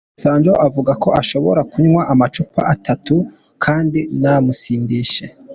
Desanjo avuga ko ashobora kunywa amacupa atatu kandi ntamusindishe.